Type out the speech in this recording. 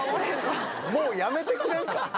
もうやめてくれんか。